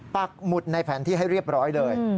ปักหมุดในแผนที่ให้เรียบร้อยเลย